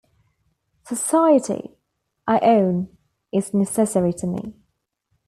Society, I own, is necessary to me.